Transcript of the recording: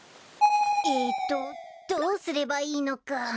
えっとどうすればいいのか。